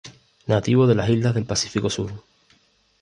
Nativo de las islas del Pacífico sur.